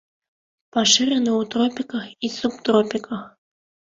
Пашыраны ў тропіках і субтропіках.